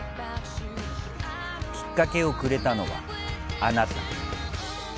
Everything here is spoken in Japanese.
きっかけをくれたのが、あなた。